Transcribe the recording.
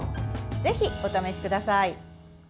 ぜひ、お試しください。